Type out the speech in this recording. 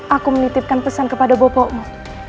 aku menitipkan pesan kepada bapakmu